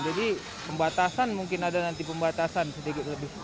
jadi pembatasan mungkin ada nanti pembatasan sedikit lebih